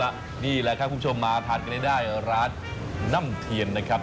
เอาล่ะนี่แหละค่ะคุณผู้ชมมาผ่านกันได้ร้านน้ำเทียนนะครับ